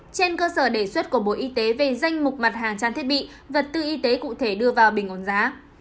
trên cơ sở đề xuất của bộ y tế về danh mục mặt hàng trang thiết bị vật tư y tế cụ thể đưa vào bình ổn giá